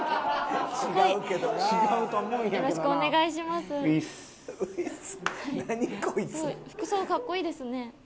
すごい服装かっこいいですね。